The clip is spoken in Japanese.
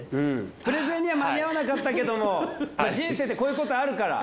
プレゼンには間に合わなかったけれども人生ってこういうことあるから。